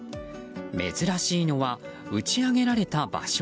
珍しいのは打ち上げられた場所。